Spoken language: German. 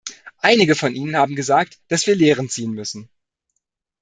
Einige von Ihnen haben gesagt, dass wir Lehren ziehen müssen.